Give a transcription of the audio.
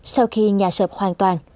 sau khi nhà sợp hoàn toàn